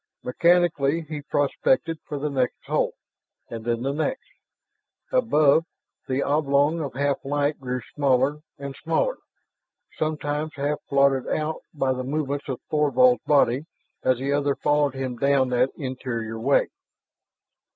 Mechanically he prospected for the next hold, and then the next. Above, the oblong of half light grew smaller and smaller, sometimes half blotted out by the movements of Thorvald's body as the other followed him down that interior way.